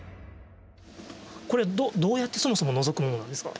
これ、どうやってそもそものぞくものなんですか？